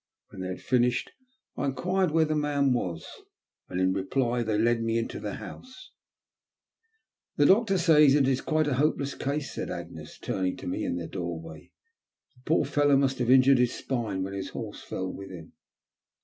When they had finished I enquired where the man was, and in reply they led me into the house. The doctor says it is quite a hopeless case," said Agnes, turning to me in the doorway ;" the poor fellow must have injured his spine when his horse fell with him."